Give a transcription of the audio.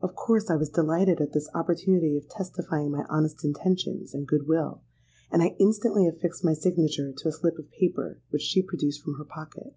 '—Of course I was delighted at this opportunity of testifying my honest intentions and good will; and I instantly affixed my signature to a slip of paper which she produced from her pocket.